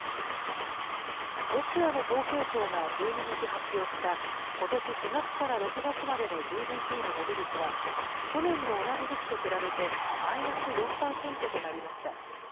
ロシアの統計庁が１２日発表した、ことし４月から６月までのＧＤＰの伸び率は、去年の同じ時期と比べてマイナス４％となりました。